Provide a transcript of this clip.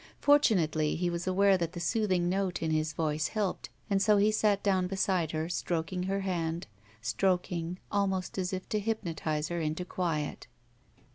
Forttmately he was aware that the soothing note in his voice helped, and so he sat down beside her, stroking her hand, stroking, almost as if to hypnotize her into quiet.